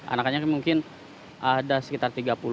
anak anaknya mungkin ada sekitar tiga puluh an mungkin